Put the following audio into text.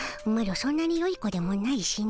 そんなによい子でもないしの。